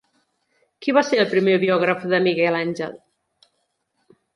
Qui va ser el primer biògraf de Miquel Àngel?